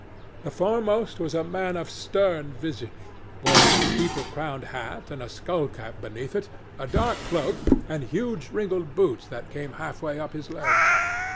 The foremost was a man of stern visage, wearing a steeple crowned hat and a skull cap beneath it, a dark cloak and huge wrinkled boots that came halfway up his legs.